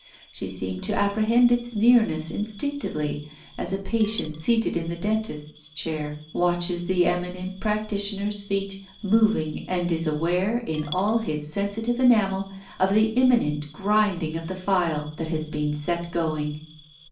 She seemed to apprehend its near ness instinctively, as a patient seated in the dentist's chair watches the eminent practitioner's feet moving and is aware in all his sensitive enamel of the imminent grinding of the file that has been set going.